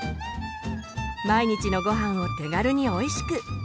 毎日のごはんを手軽においしく！